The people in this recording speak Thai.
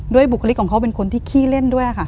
บุคลิกของเขาเป็นคนที่ขี้เล่นด้วยค่ะ